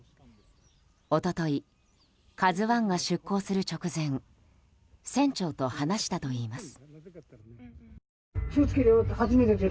一昨日、「ＫＡＺＵ１」が出航する直前船長と話したといいます。